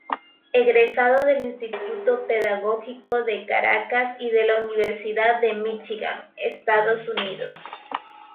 Egresado del Instituto Pedagógico de Caracas y de la Universidad de Míchigan, Estados Unidos.